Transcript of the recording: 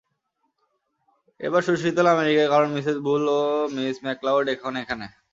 এবার সুশীতল আমেরিকায়, কারণ মিসেস বুল ও মিস ম্যাকলাউড এখন এখানে।